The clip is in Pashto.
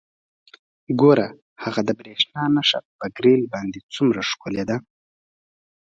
ګوره هغه د بریښنا نښه په ګریل باندې څومره ښکلې ده